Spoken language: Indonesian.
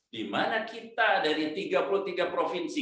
dimana kita dari tiga puluh tiga provinsi